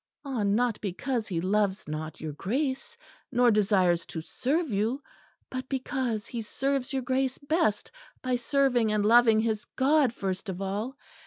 Ah! not because he loves not your Grace nor desires to serve you; but because he serves your Grace best by serving and loving his God first of all.